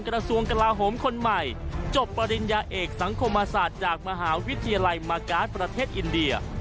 กระทรวงกลาโหมคนใหม่จบปริญญาเอกสังคมศาสตร์จากมหาวิทยาลัยมาการ์ดประเทศอินเดีย